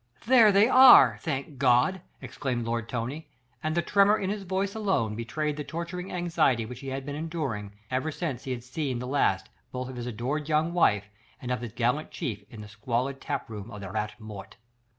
"There they are, thank God!" exclaimed Lord Tony, and the tremor in his voice alone betrayed the torturing anxiety which he had been enduring, ever since he had seen the last both of his adored young wife and of his gallant chief in the squalid tap room of the Rat Mort.